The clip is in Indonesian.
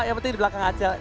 yang penting di belakang aceh